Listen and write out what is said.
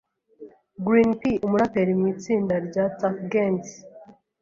Green P umuraperi mu itsinda rya Tuuf Gangz